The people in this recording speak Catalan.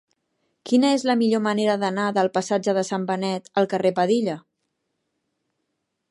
Quina és la millor manera d'anar del passatge de Sant Benet al carrer de Padilla?